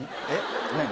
えっ？